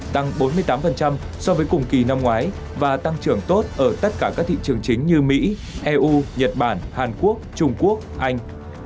tăng bốn mươi tám so với cùng kỳ năm ngoái và tăng trưởng tốt ở tất cả các thị trường chính như mỹ eu nhật bản hàn quốc trung quốc anh